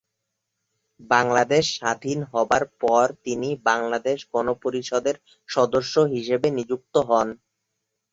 বাংলাদেশ স্বাধীন হবার পর তিনি বাংলাদেশ গণপরিষদের সদস্য হিসেবে নিযুক্ত হন।